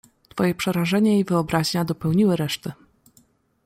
"Twoje przerażenie i wyobraźnia dopełniły reszty."